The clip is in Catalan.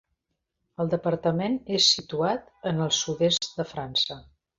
El departament és situat en el sud-est de França.